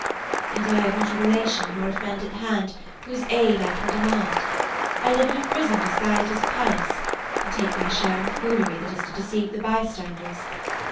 "And I have not a relation nor a friend at hand whose aid I can demand, I live in a prison disguised as a palace, and take my share in the foolery that is to deceive the bystanders.